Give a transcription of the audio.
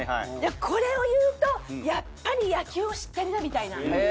これを言うとやっぱり野球を知ってるなみたいな。